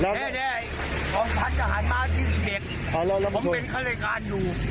ผมเป็นข้ารายการอยู่